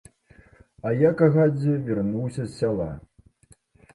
А я кагадзе вярнуўся з сяла.